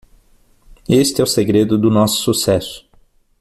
Este é o segredo do nosso sucesso